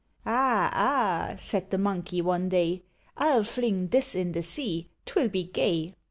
"Ah! ah!" said the Monkey, one day; "I'll fling this in the sea; 'twill be gay."